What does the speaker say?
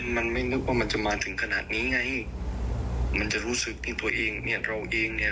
มันไม่นึกว่ามันจะมาถึงขนาดนี้ไงมันจะรู้สึกที่ตัวเองเนี่ยเราเองเนี่ย